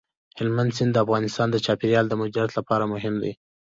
هلمند سیند د افغانستان د چاپیریال د مدیریت لپاره مهم دي.